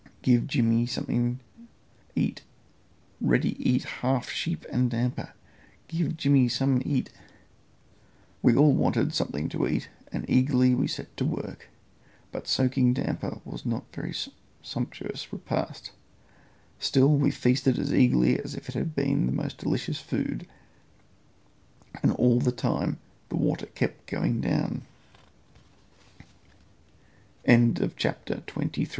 Give Jimmy something eat. Ready eat half sheep and damper. Give Jimmy some eat." We all wanted something to eat, and eagerly set to work, but soaking damper was not a very sumptuous repast; still we feasted as eagerly as if it had been the most delicious food, and all the time the water kept goin